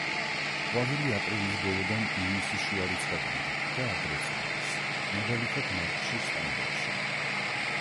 ყვავილი აპრილის ბოლოდან ივნისის შუა რიცხვამდე და ადრეც ყვავის, მაგალითად, მარტში სტამბოლში.